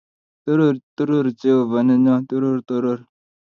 Toror toror jehova nenyo, toror toror